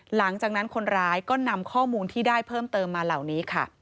หลังจากนั้นคนร้ายก็นำข้อมูลที่ได้เพิ่มเติมมาเหล่านี้ค่ะ